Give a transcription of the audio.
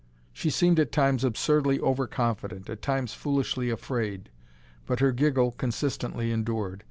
She seemed at times absurdly over confident, at times foolishly afraid; but her giggle consistently endured.